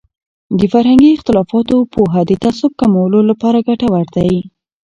د فرهنګي اختلافاتو پوهه د تعصب کمولو لپاره ګټوره دی.